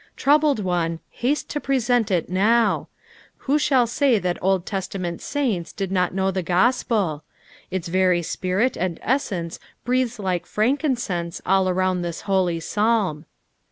Troubled one, haat« to present it now 1 Who shall say that Old Testament saints did not know the gospel ! Its very spirit and essence breathes like frankincense all around this holy Psalm.